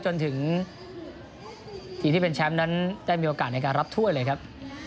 จนถึงทีมที่เป็นแชมป์นั้นได้มีโอกาสในการรับถ้วยเลยครับ